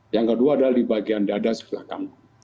yang kedua adalah di bagian dada sebelah kanan